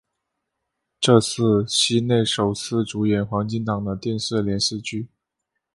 这次是西内首次主演黄金档的电视连续剧。